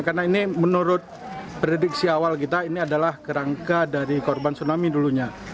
karena ini menurut prediksi awal kita ini adalah kerangka dari korban tsunami dulunya